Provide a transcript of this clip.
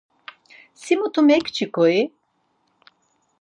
Si mutu mekçiǩo-i?